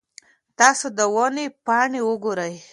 تاسو د ونې پاڼې وګورئ.